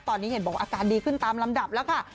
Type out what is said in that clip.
ตอนนี้เห็นบอกว่าอาการดีขึ้นตามลำดับแล้วค่ะ